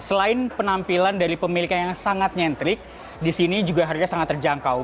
selain penampilan dari pemilikan yang sangat nyentrik di sini juga harga sangat terjangkau